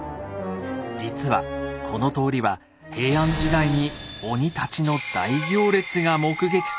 実はこの通りは平安時代に鬼たちの大行列が目撃された場所なんです。